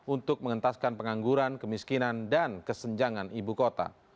untuk mengentaskan pengangguran kemiskinan dan kesenjangan ibu kota